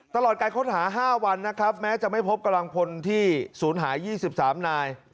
ตลอดการค้นหา๕วันนะครับแม้จะไม่พบกำลังพลที่ศูนย์หาย๒๓นาย